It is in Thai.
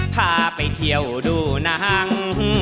พาไปเที่ยวดูหนัง